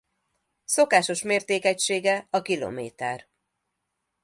Szokásos mértékegysége a kilométer.